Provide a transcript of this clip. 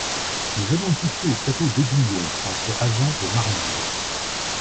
Nous allons nous fixer au château d'Aiguillon, entre Agen et Marmande.